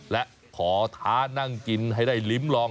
และขอท้านั่งกินให้ได้ลิ้มลอง